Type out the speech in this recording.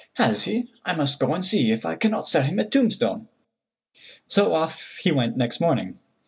"Has he? I must go and see if I cannot sell him a tombstone." So off he went next morning.